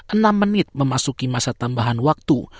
enam menit memasuki masa tambahan waktu